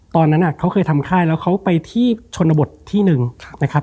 ตอนนั้นเขาเคยทำค่ายแล้วเขาไปที่ชนบทที่หนึ่งนะครับ